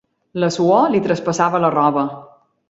La suor li traspassava la roba.